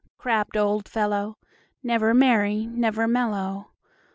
crabbed old fellow, Never merry, never mellow!